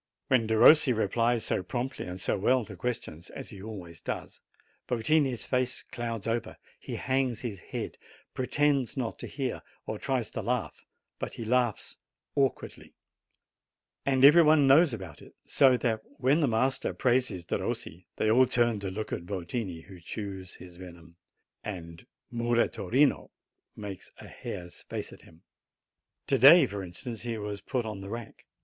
When Derossi replies so promptly and so well to questions, as he alway ' "otini's fac'. r, he hangs his head, preter. not to hear, or tr: laugh, but he laughs awkwardly, .rid even one kn . about it. so that when the me Dferossi they all turn to look at \ r otini, who chews his venom, and "Muratorino" makes a hare' face at him. To day for instance, he was put on the rack.